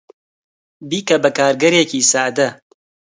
بیکە بە کارگەرێکی سادە.